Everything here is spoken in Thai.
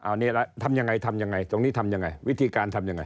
อันนี้ทำยังไงทำยังไงตรงนี้ทำยังไงวิธีการทำยังไง